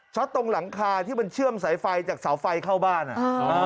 ตรงหลังคาที่มันเชื่อมสายไฟจากเสาไฟเข้าบ้านอ่ะอ่า